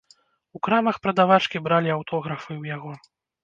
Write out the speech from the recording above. У крамах прадавачкі бралі аўтографы ў яго.